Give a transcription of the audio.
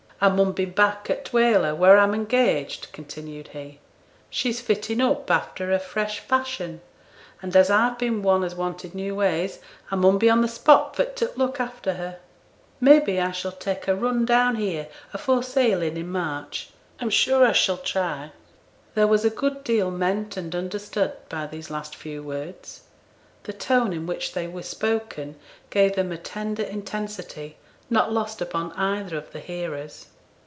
'I mun be back at t' whaler, where I'm engaged,' continued he. 'She's fitting up after a fresh fashion, and as I've been one as wanted new ways, I mun be on the spot for t' look after her. Maybe I shall take a run down here afore sailing in March. I'm sure I shall try.' There was a good deal meant and understood by these last few words. The tone in which they were spoken gave them a tender intensity not lost upon either of the hearers.